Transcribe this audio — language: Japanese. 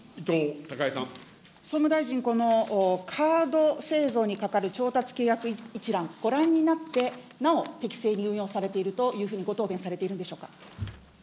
総務大臣、このカード製造に係る調達契約一覧、ご覧になって、なお、適正に運用されているというふうにご答弁されているんでしょうか。